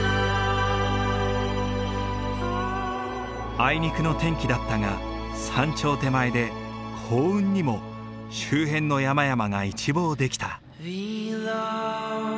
あいにくの天気だったが山頂手前で幸運にも周辺の山々が一望できた。